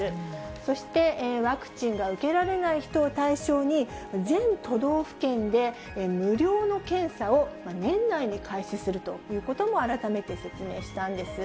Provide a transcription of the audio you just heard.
そしてワクチンが受けられない人を対象に、全都道府県で無料の検査を年内に開始するということも改めて説明したんです。